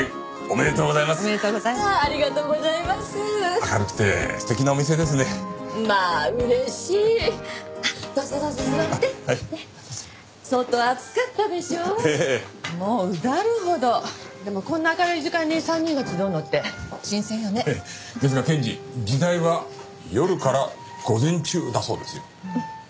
ですが検事時代は夜から午前中だそうですよ。